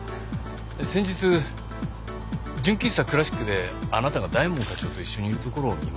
先日純喫茶クラシックであなたが大門課長と一緒にいるところを見ました。